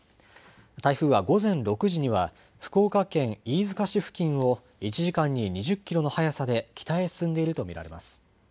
台風は午前６時には福岡県飯塚市付近を１時間に２０キロの速さで北へ進んでいると見られます。